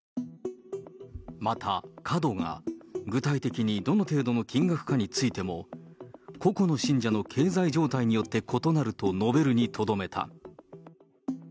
また、過度が具体的にどの程度の金額かについても、個々の信者の経済状態によって異なると述べるにとどめた。